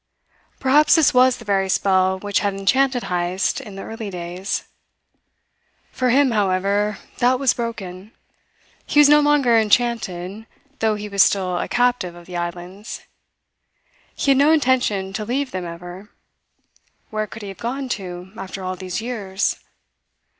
Perhaps this was the very spell which had enchanted Heyst in the early days. For him, however, that was broken. He was no longer enchanted, though he was still a captive of the islands. He had no intention to leave them ever. Where could he have gone to, after all these years?